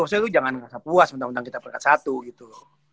maksudnya lo jangan ngerasa puas bentang bentang kita berkat satu gitu